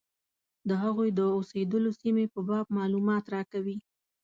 د هغوی د اوسېدلو سیمې په باب معلومات راکوي.